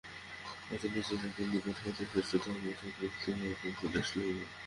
অতি নীচ জাতির নিকট হইতেও শ্রেষ্ঠ ধর্ম অর্থাৎ মুক্তিমার্গের উপদেশ লইবে।